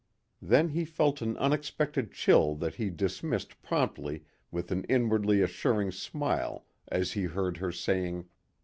Then he felt an unexpected chill that he dismissed promptly with an inwardly reassuring smile as he heard her saying.